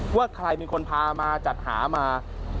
ว่าใครเป็นคนพามาจัดหามา